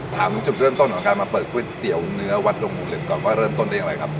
ตามจุดเริ่มต้นของต้นการเปิดก๋วยเตี๋ยวเนื้อวัดดงมูลเด็กก่อนก็เริ่มต้นด้วยอะไรครับ